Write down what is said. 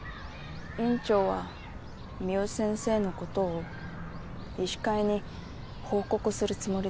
院長は三好先生の事を医師会に報告するつもりです。